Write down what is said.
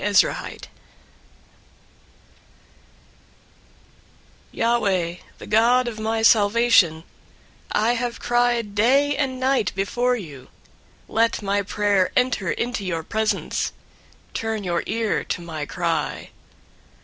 088:001 <> Yahweh, the God of my salvation, I have cried day and night before you. 088:002 Let my prayer enter into your presence. Turn your ear to my cry.